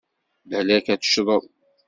Balak ad teccḍeḍ!